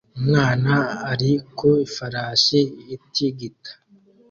Umwana ari ku ifarashi itigita